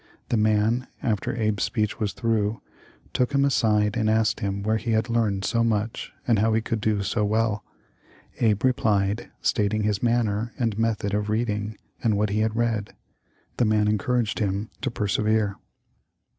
The man, after Abe's speech was through, took him aside and asked him where he had learned so much and how he could do so well. Abe replied, stating his manner and method of reading, and what he had read. The man encour aged him to persevere."